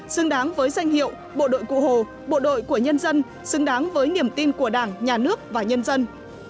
xứng đáng với danh hiệu bộ đội cụ hồ bộ đội của nhân dân xứng đáng với niềm tin của đảng nhà nước và nhân dân